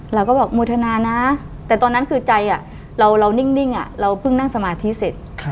เราก็บอกโมทนานะแต่ตอนนั้นคือใจเรานิ่งเราเพิ่งนั่งสมาธิเสร็จ